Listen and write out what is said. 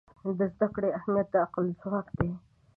د زده کړې اهمیت د عقل ځواک دی.